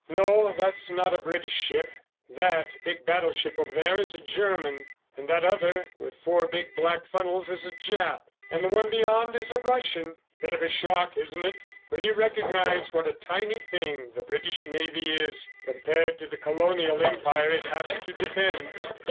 No, that's not a British ship—that big battleship over there is a German, and that other with four big black funnels is a Jap, and the one beyond is a Russian. Bit of a shock, isn't it, when you recognise what a tiny thing the British Navy is compared to the Colonial Empire it has to defend?"